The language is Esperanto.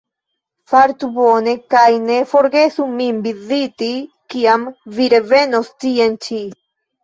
Fartu bone kaj ne forgesu min viziti, kiam vi revenos tien ĉi.